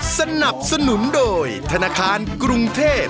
สนับสนุนโดยธนาคารกรุงเทพ